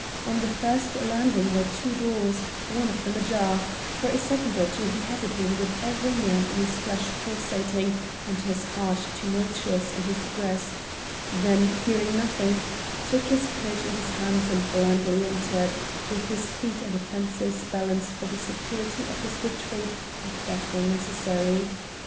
On the first landing were two doors, one of them ajar; for a second or two he hesitated with every nerve in his flesh pulsating and his heart tumultuous in his breast; then hearing nothing, took his courage in his hands and blandly entered, with his feet at a fencer's balance for the security of his retreat if that were necessary.